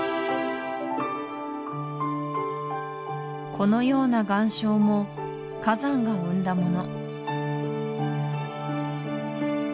このような岩礁も火山が生んだもの